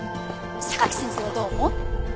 榊先生はどう思う？